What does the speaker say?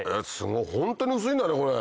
ホントに薄いんだねこれ！